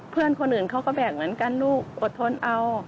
เพื่อนคนอื่นเขาก็แบกเหมือนกันลูกอดทนเอา